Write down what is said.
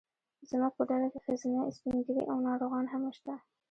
زموږ په ډله کې ښځینه، سپین ږیري او ناروغان هم شته.